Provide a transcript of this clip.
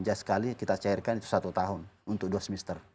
jadi sekali kita cairkan itu satu tahun untuk dua semester